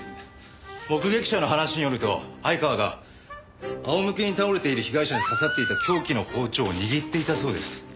目撃者の話によると相川が仰向けに倒れている被害者に刺さっていた凶器の包丁を握っていたそうです。